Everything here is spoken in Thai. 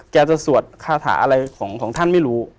แกจะสวดคาถาอะไรของท่านไม่รู้